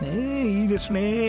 いいですね。